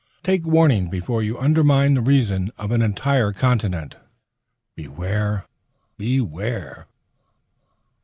Take warning before you undermine the reason of an entire continent. Beware! Beware!